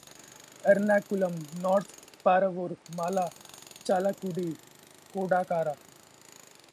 Ernakulam, North Paravur, Mala, Chalakudy, Kodakara.